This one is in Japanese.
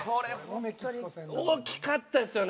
大きかったですよね。